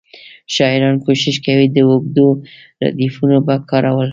شاعران کوښښ کوي د اوږدو ردیفونو په کارولو.